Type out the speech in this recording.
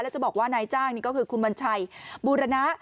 แล้วจะบอกว่านายจ้างนี่ก็คือคุณวัญชัยบูรณะ